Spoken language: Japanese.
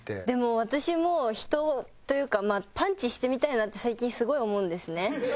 でも私も人をというかパンチしてみたいなって最近すごい思うんですね。